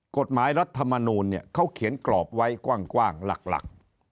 กฎหมายรัฐธรรมนูลเขาเขียนกรอบไว้กว้างหลัก